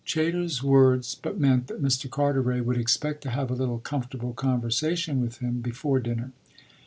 Chayter's words but meant that Mr. Carteret would expect to have a little comfortable conversation with him before dinner.